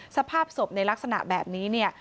สภาพศพในลักษณะแบบนี้เนี่ย